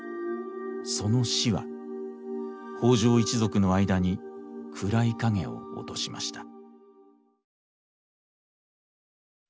その死は北条一族の間に暗い影を落としました。